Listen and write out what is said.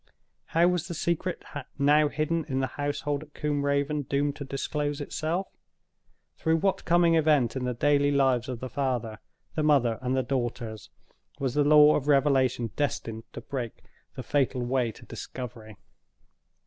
How was the secret now hidden in the household at Combe Raven doomed to disclose itself? Through what coming event in the daily lives of the father, the mother, and the daughters, was the law of revelation destined to break the fatal way to discovery?